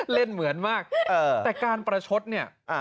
เหมือนมากแต่การประชดเนี่ย